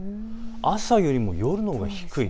朝よりも夜のほうが低い。